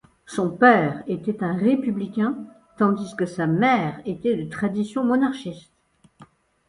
Son père était un républicain tandis que sa mère était de tradition monarchiste.